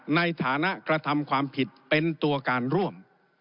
ในฐานะกระทำความผิดเป็นตัวการร่วม